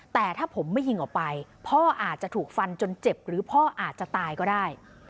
แต่ถ้าผมไม่ยิงออกไปพ่ออาจจะถูกฟันจนเจ็บหรือพ่ออาจจะตายก็ได้